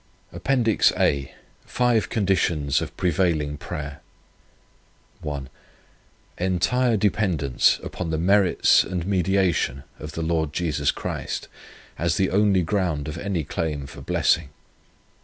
APPENDIX A FIVE CONDITIONS OF PREVAILING PRAYER Entire dependence upon the merits and mediation of the Lord Jesus Christ, as the only ground of any claim for blessing.